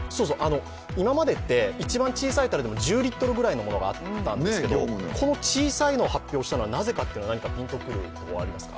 今までって一番小さいたるでも１０リットルのものがあったんですけど、この小さいのを発表したのはなぜかピンとくることありますか。